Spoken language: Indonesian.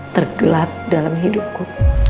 tergelap dalam hidupku